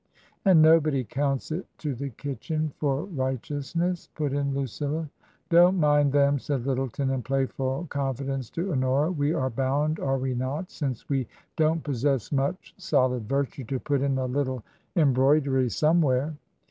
• And nobody counts it to the kitchen for righteous n^s,* put in Ludlla. ^DcMit imnd Aem,^ said Lj'ttleton, in pla^^ful c<Mifi dencc to Hc^oia ;we are bound, are we not, since wc doa\ petssess much solid virtue, to put in a little em hffmdenr soanewhere